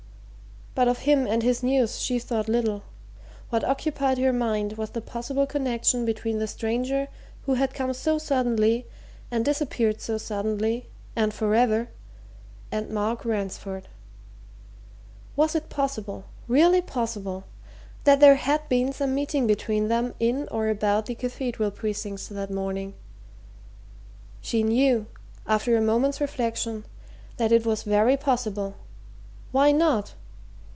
But of him and his news she thought little what occupied her mind was the possible connection between the stranger who had come so suddenly and disappeared so suddenly and for ever! and Mark Ransford. Was it possible really possible that there had been some meeting between them in or about the Cathedral precincts that morning? She knew, after a moment's reflection, that it was very possible why not?